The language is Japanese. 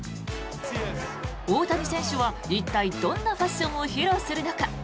大谷選手は一体、どんなファッションを披露するのか。